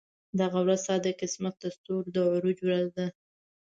دغه ورځ ستا د قسمت د ستورو د عروج ورځ ده.